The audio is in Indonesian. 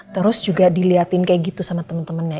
terus juga dilihatin kayak gitu sama temen temennya